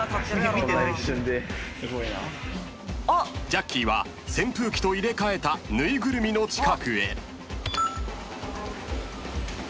［ジャッキーは扇風機と入れ替えた縫いぐるみの近くへ］